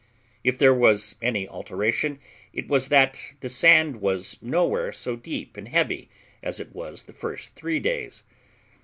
If there was any alteration, it was that the sand was nowhere so deep and heavy as it was the first three days.